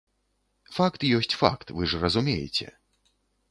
Факт ёсць факт, вы ж разумееце.